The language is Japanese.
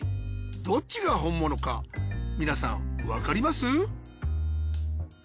どっちが本物か皆さんわかります？